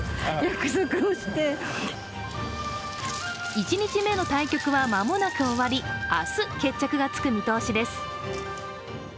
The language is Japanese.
１日目の対局は間もなく終わり、明日決着が着く見通しです。